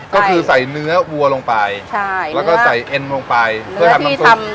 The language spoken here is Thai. ก็คือใส่เนื้อวัวลงไปแล้วก็ใส่เอ็นลงไปเพื่อทำน้ำซุป